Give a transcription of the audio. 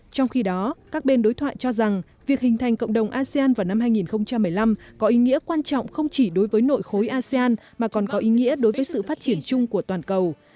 trong khi đó các bên đối thoại cho rằng việc hình thành cộng đồng asean vào năm hai nghìn một mươi năm có ý nghĩa quan trọng không chỉ đối với nội khối asean mà còn có ý nghĩa đối với sự phát triển chung của toàn cầu